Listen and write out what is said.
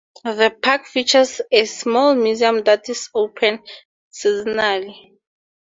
The park features a small museum that is open seasonally.